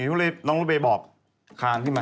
ที่ก็เลยต้องไปบอกคานที่มา